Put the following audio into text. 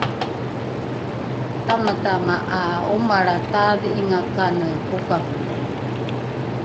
tamatama ’a omalra taadhi’inga kane pokavole